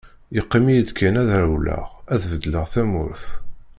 Yeqqim-iyi-d kan ad rewleɣ, ad beddleɣ tamurt.